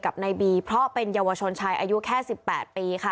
เอกับในบีเพราะเป็นเยาวชวนชายอายุแค่สิบแปดปีค่ะ